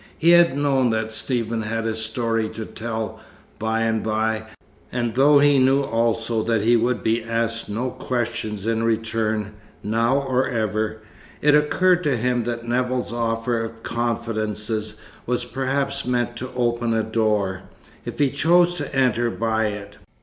He had known that Nevill had a story to tell, by and by, and though he knew also that he would be asked no questions in return, now or ever, it occurred to him that Nevill's offer of confidences was perhaps meant to open a door, if he chose to enter by it.